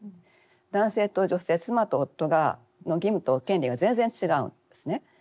男性と女性妻と夫の義務と権利が全然違うんですね。